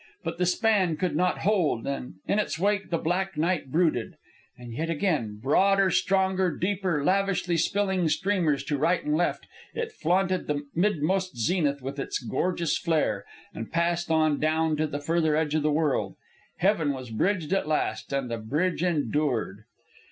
But the span could not hold, and in its wake the black night brooded. And yet again, broader, stronger, deeper, lavishly spilling streamers to right and left, it flaunted the midmost zenith with its gorgeous flare, and passed on and down to the further edge of the world. Heaven was bridged at last, and the bridge endured!